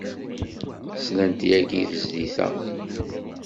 Slant yagi i tezlit-a.